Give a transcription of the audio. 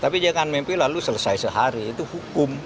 tapi jangan mimpi lalu selesai sehari itu hukum